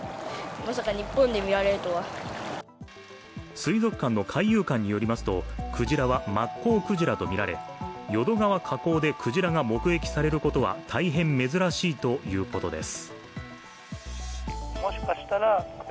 水族館の海遊館によりますと、クジラはマッコウクジラとみられ淀川河口でクジラが目撃されることは大変珍しいということです。